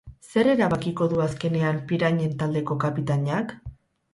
Zer erabakiko du azkenean pirañen taldeko kapitainak?